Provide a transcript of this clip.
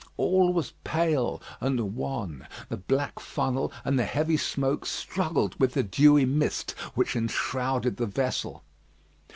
All was pale and wan. The black funnel and the heavy smoke struggled with the dewy mist which enshrouded the vessel.